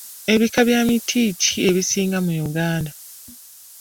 Bika bya miti ki ebisinga mu Uganda?